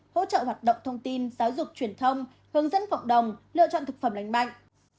hỗ trợ hoạt động thông tin giáo dục truyền thông hướng dẫn cộng đồng lựa chọn thực phẩm lành mạnh